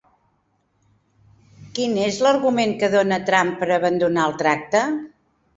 Quin és l'argument que dona Trump per abandonar el tracte?